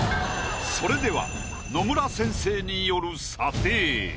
それでは野村先生による。